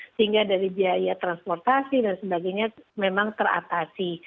sehingga dari biaya transportasi dan sebagainya memang teratasi